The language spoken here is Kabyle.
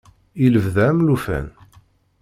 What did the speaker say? I lebda am llufan.